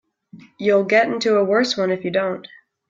You'll get into a worse one if you don't.